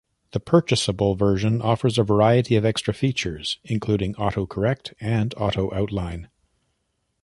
The purchasable version offers a variety of extra features, including Auto-Correct and Auto-Outline.